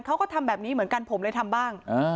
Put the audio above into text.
เขาก็ทำแบบนี้เหมือนกันผมเลยทำบ้าง